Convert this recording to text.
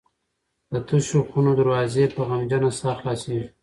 د تشو خونو دروازې په غمجنه ساه خلاصیږي.